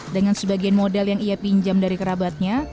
dengan sebagian modal yang ia pinjam dari kerabatnya